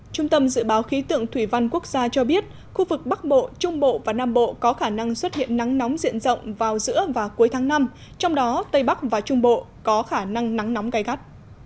trung tâm dự báo khí tượng thủy văn quốc gia cho biết khu vực bắc bộ trung bộ và nam bộ có khả năng xuất hiện nắng nóng diện rộng vào giữa và cuối tháng năm trong đó tây bắc và trung bộ có khả năng nắng nóng gai gắt